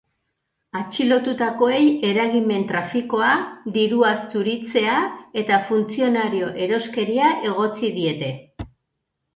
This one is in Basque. Atxilotutakoei eragimen-trafikoa, dirua zuritzea eta funtzionario-eroskeria egotzi diete.